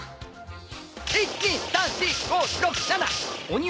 １２３４５６７。